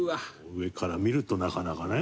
上から見るとなかなかね。